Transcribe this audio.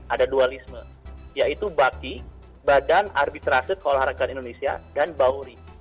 ada dualisme yaitu baki badan arbitrasi keolahragaan indonesia dan bauri